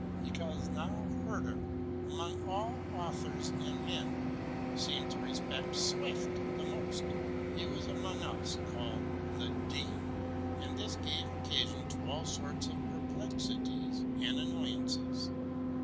Because Herder, among all authors und men, seemed to respect Swift most, he was among us vulled the '*' Dean;'' and this gave further occasion to all sorts of perplexities and annoyances.